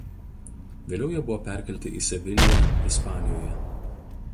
Vėliau jie buvo perkelti į Seviliją Ispanijoje.